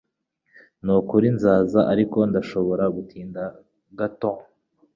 Nukuri nzaza, ariko ndashobora gutinda gato